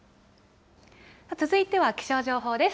続いては気象情報です。